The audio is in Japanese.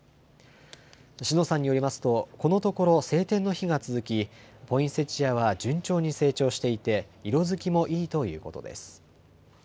篠さんによりますと、このところ、晴天の日が続き、ポインセチアは順調に成長していて、色づきもいいということです。